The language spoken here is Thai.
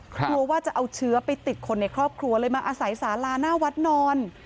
กลัวว่าจะเอาเชื้อไปติดคนในครอบครัวเลยมาอาศัยสาลาหน้าวัดนอน